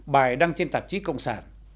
bài đăng trên tạp chí cộng sản